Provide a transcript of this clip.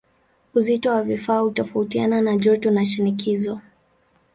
Uzito wa vifaa hutofautiana na joto na shinikizo.